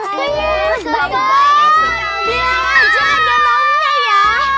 biar aja gak maunya ya